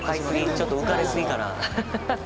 ちょっと浮かれすぎかなあ。